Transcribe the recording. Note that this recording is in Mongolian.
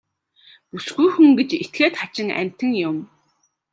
Бүсгүй хүн гэж этгээд хачин амьтан юм.